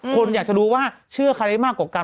คนอยากจะดูว่าเชื่อคาดิทัลมากกว่ากัน